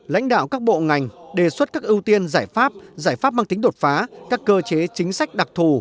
lãnh đạo các bộ ngành đề xuất các ưu tiên giải pháp giải pháp mang tính đột phá các cơ chế chính sách đặc thù